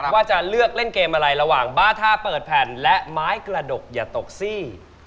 ว่าจะเลือกเล่นเกมอะไรระหว่างบาท่าเปิดแผ่นและไม้กระดกอย่าตกซี่